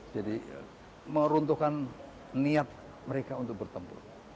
jadi meruntuhkan niat mereka untuk bertempur